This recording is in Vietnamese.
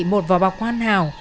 một vò bọc hoàn hảo